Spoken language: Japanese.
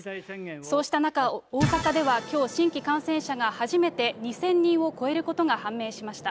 そうした中、大阪ではきょう新規感染者が初めて２０００人を超えることが判明しました。